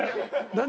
何？